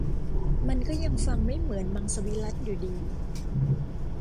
มันก็ยังฟังไม่เหมือนมังสวิรัติอยู่ดี